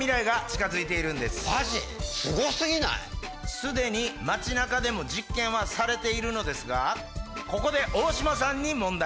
すでに街中でも実験はされているのですがここでオオシマさんに問題！